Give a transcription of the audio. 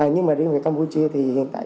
nhưng mà riêng về campuchia thì hiện tại